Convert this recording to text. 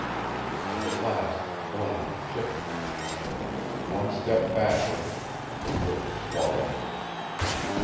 And at last Bland shifted. One step backward, and the woods swallowed him.